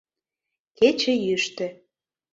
Кече йӱштӧ.